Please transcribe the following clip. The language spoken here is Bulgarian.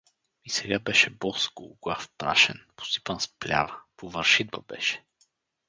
И сега беше бос, гологлав, прашен, посипан с плява — по вършитба беше.